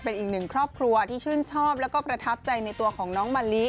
เป็นอีกหนึ่งครอบครัวที่ชื่นชอบแล้วก็ประทับใจในตัวของน้องมะลิ